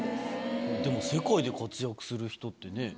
でも世界で活躍する人ってね。